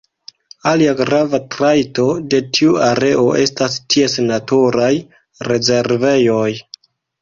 Alia grava trajto de tiu areo estas ties naturaj rezervejoj.